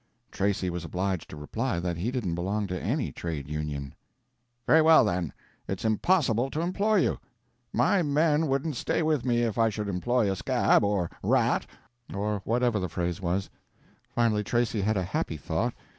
Tracy was obliged to reply that he didn't belong to any trade union. "Very well, then, it's impossible to employ you. My men wouldn't stay with me if I should employ a 'scab,' or 'rat,'" or whatever the phrase was. Finally, Tracy had a happy thought.